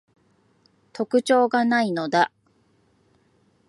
特徴が無いのだ